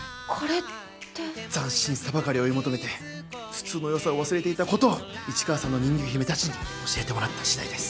斬新さばかりを追い求めて普通のよさを忘れていたことを市川さんの人魚姫たちに教えてもらった次第です。